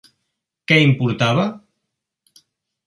Què importava?